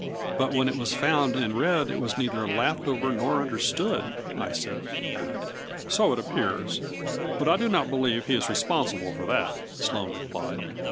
But when it was found and read it was neither laughed over nor understood," I said. " So it appears, but I do not believe he is re sponsible for that," Sloane replied.